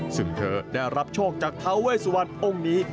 ซึ่งเธอได้รับโชคจากท้าเวสวันองค์นี้